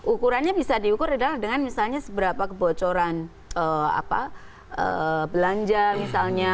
ukurannya bisa diukur adalah dengan misalnya seberapa kebocoran belanja misalnya